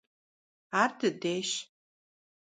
Ar dıdeş!